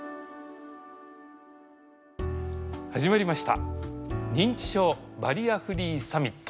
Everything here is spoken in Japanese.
始まりました「認知症バリアフリーサミット」。